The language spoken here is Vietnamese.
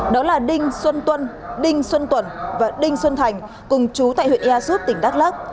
đó là đinh xuân tuân đinh xuân tùng và đinh xuân thành cùng chú tại huyện ea súp tỉnh đắk lắc